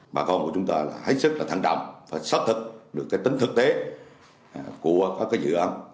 bà con của chúng ta hãy sức là thẳng đồng và xác thực được cái tính thực tế của các cái dự án